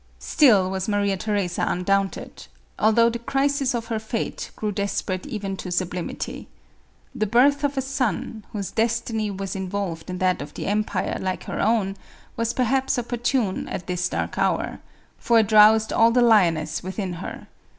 Still was Maria Theresa undaunted, although the crisis of her fate grew desperate even to sublimity. The birth of a son, whose destiny was involved in that of the empire, like her own, was perhaps opportune at this dark hour, for it roused all the lioness within her.